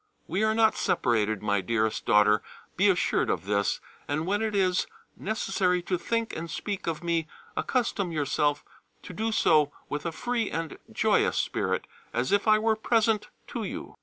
We are not separated, my dearest daughter, be assured of this, and when it is necessary to think and speak of me accustom yourself to do so with a free and joyous spirit as if I were present to you.